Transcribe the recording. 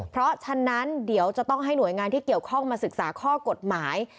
เพราะฉะนั้นเดี๋ยวจะต้องให้หน่วยงานที่เกี่ยวข้องมาศึกษาข้อกฎหมาย